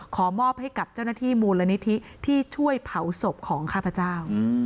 ฉบับที่สองก็มีข้อความว่า